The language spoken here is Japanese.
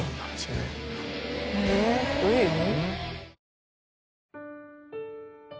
どういう意味？